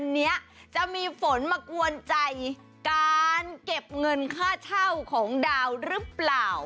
วันนี้จะมีฝนมากวนใจการเก็บเงินค่าเช่าของดาวหรือเปล่า